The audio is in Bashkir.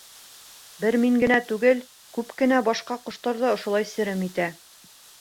— Бер мин генә түгел, күп кенә башҡа ҡоштар ҙа ошолай серем итә.